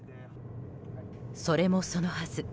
それもそのはず